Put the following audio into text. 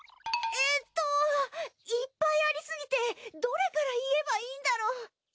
えっといっぱいありすぎてどれから言えばいいんだろう。